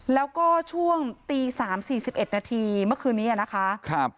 แล้วก็ช่วงตี๓๔๑นาทีเมื่อคืนนี้นะคะ